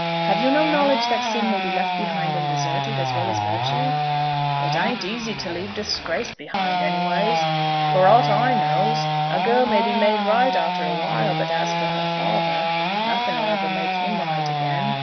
Have you no knowledge that sin may be left behind and deserted as well as virtue?" "It ain't easy to leave disgrace behind, any ways. For ought I knows a girl may be made right arter a while; but as for her father, nothing 'll ever make him right again.